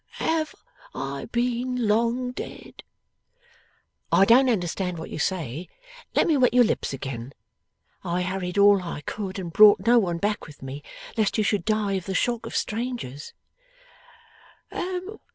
'Have I been long dead?' 'I don't understand what you say. Let me wet your lips again. I hurried all I could, and brought no one back with me, lest you should die of the shock of strangers.